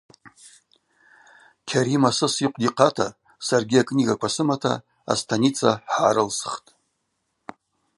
Кьарим асыс йыхъвда йхъата, саргьи акнигаква сымата астаница хӏгӏарылсхтӏ.